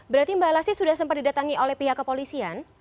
berarti mbak lasti sudah sempat didatangi oleh pihak kepolisian